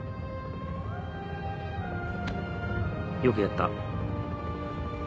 よくやった。